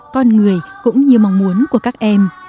con người cũng như mong muốn của các em